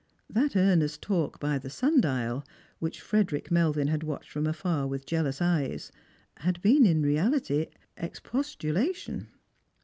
That earnest talk by the sundial, which Frederick Melvin had watched from afar with jealous eyes, had been in reality expostulation.